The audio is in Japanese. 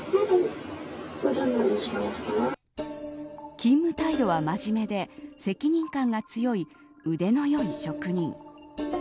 勤務態度は真面目で責任感が強い、腕のよい職人。